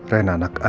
saya akan mencari dia